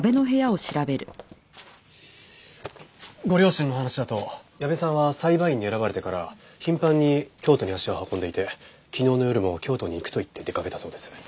ご両親の話だと矢部さんは裁判員に選ばれてから頻繁に京都に足を運んでいて昨日の夜も京都に行くと言って出かけたそうです。